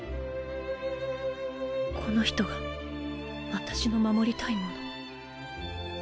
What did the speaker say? この人が私の護りたいもの